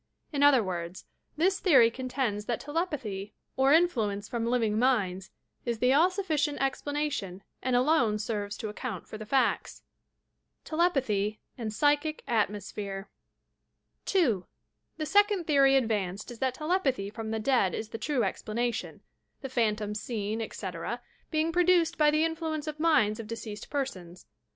In other words, this theory contends that telepathy op influence from living minds is the all sufBcient explana tion and alone serves to account for the facta. TBLEPATHT AND "pSTCniC ATMOSPHEBE" 2. The second theory advanced is that telepathy from the dead is the true explanation — the phantoms fieen, etc., being produced by the influence of minds of de ceased persons.